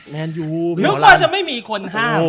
เหมือนจะไม่มีคนท่าม